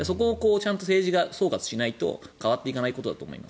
そこを政治が総括しないと変わっていかないと思います。